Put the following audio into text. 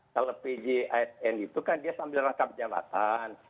kalau pjisn itu kan dia sambil rangkap jabatan